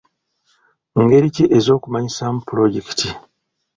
Ngeri ki ez'okumanyisaamu pulojekiti?